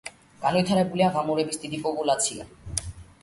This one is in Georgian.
განვითარებულია ღამურების დიდი პოპულაცია.